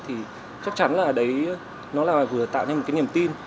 thì chắc chắn là đấy nó là vừa tạo ra một cái niềm tin